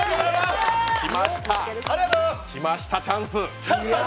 きました、チャンス！